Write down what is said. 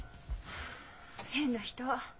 変な人。